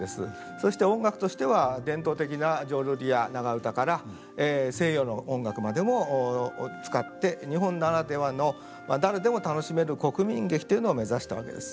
そして音楽としては伝統的な浄瑠璃や長唄から西洋の音楽までも使って日本ならではの誰でも楽しめる国民劇というのを目指したわけです。